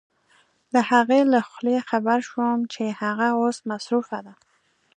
د هغې له خولې خبر شوم چې هغه اوس مصروفه ده.